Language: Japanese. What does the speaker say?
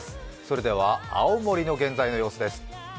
それでは青森の現在の様子です。